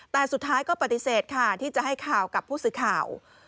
แต่สุดท้ายก็ปฏิเสธค่ะที่จะให้ข่าวกับผู้สื่อข่าว